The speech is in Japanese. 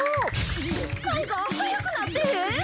なんかはやくなってへん？